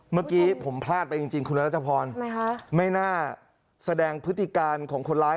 เมื่อกี้ผมพลาดไปจริงคุณรัชพรไม่น่าแสดงพฤติการของคนร้าย